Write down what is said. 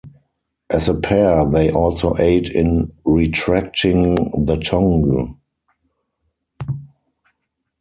As a pair they also aid in retracting the tongue.